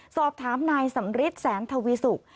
สอบถามนายสำริทแสนทวีสุก